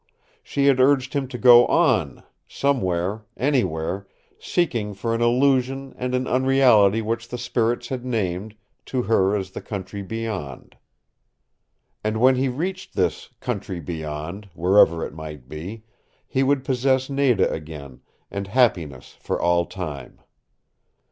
She had urged him to go on, somewhere, anywhere, seeking for an illusion and an unreality which the spirits had named, to her as the Country Beyond. And when he reached this Country Beyond, wherever it might be, he would possess Nada again, and happiness for all time.